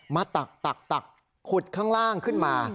ตักขุดข้างล่างขึ้นมา